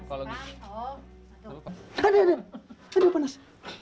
aduh aduh panas